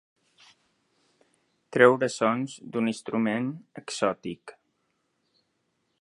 Treure sons d'un instrument músic exòtic.